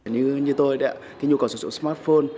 như tôi đấy ạ khi nhu cầu sử dụng smartphone